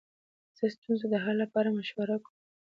زه د ستونزو د حل لپاره مشوره کوم.